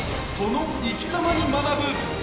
その生きざまに学ぶ。